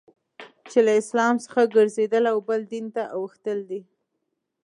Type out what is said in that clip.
چي له اسلام څخه ګرځېدل او بل دین ته اوښتل دي.